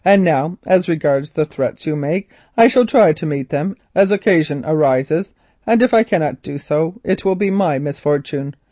"Now as regards the threats you make. I shall try to meet them as occasion arises, and if I cannot do so it will be my misfortune.